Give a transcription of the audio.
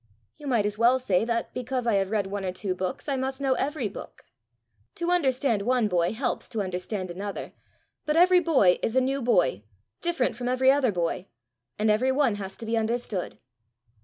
"You might as well say, that because I have read one or two books, I must know every book. To understand one boy helps to understand another, but every boy is a new boy, different from every other boy, and every one has to be understood."